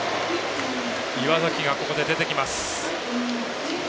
岩崎がここで出てきます。